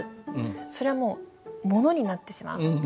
それはもう「もの」になってしまう。